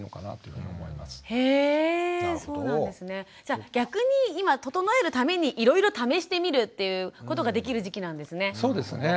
じゃ逆に今整えるためにいろいろ試してみるということができる時期なんですね。